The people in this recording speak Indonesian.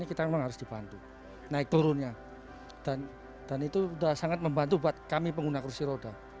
itu sudah sangat membantu buat kami pengguna kursi roda